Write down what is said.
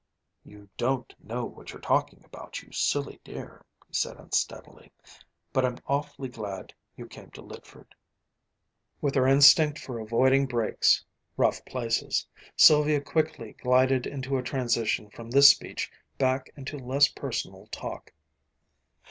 "You don't know what you're talking about, you silly dear," he said unsteadily, "but I'm awfully glad you came to Lydford." With her instinct for avoiding breaks, rough places, Sylvia quickly glided into a transition from this speech back into less personal talk.